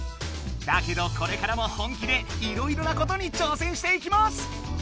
だけどこれからも本気でいろいろなことに挑戦していきます！